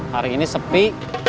hari ini sepi